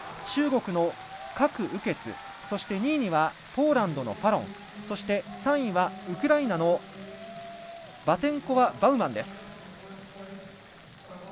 中国の郭雨潔そして、２位にはポーランドのファロンそして３位はウクライナのバテンコワバウマンです。